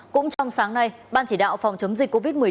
cũng trong sáng nay ban chỉ đạo phòng chống dịch covid một mươi chín